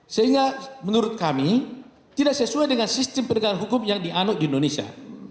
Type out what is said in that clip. sehingga menurut kami tidak sesuai dengan sistem penegakan hukum yang dianut di indonesia